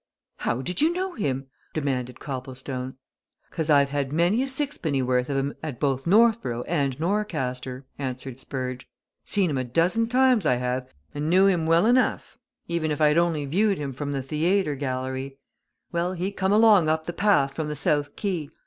"How did you know him?" demanded Copplestone. "Cause I've had many a sixpenn'orth of him at both Northborough and Norcaster," answered Spurge. "Seen him a dozen times, I have, and knew him well enough, even if I'd only viewed him from the the ayter gallery. Well, he come along up the path from the south quay.